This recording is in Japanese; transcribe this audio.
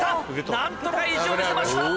何とか意地を見せました。